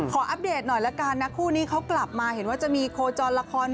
อัปเดตหน่อยละกันนะคู่นี้เขากลับมาเห็นว่าจะมีโคจรละคร